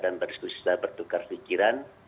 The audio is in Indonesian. dan berbicara dan berdiskusi dan bertukar pikiran